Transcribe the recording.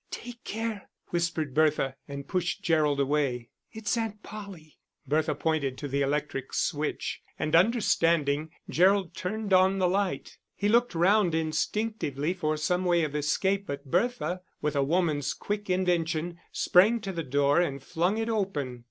"Take care," whispered Bertha, and pushed Gerald away. "It's Aunt Polly." Bertha pointed to the electric switch, and understanding, Gerald turned on the light. He looked round instinctively for some way of escape, but Bertha, with a woman's quick invention, sprang to the door and flung it open.